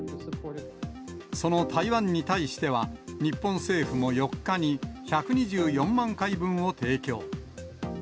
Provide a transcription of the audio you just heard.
その台湾に対しては、日本政府も４日に１２４万回分を提供。